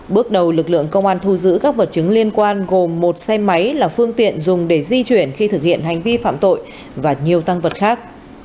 bước đầu lực lượng công an thu giữ các vật chứng liên quan gồm một xe máy là phương tiện dùng để di chuyển khi thực hiện hành vi phạm tội và nhiều tăng vật khác